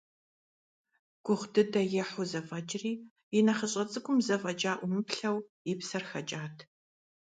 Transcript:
Гугъу дыдэ ехьу зэфӀэкӀри, и нэхъыщӀэ цӀыкӀум зэ фӀэкӀа Ӏумыплъэу и псэр хэкӀат.